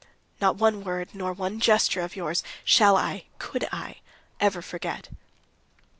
"Not one word, not one gesture of yours shall I, could I, ever forget...."